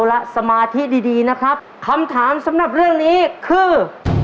และสมาธิดีดีนะครับคำถามสำหรับเรื่องนี้คือ